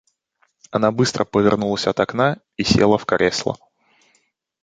Она быстро повернулась от окна и села в кресла.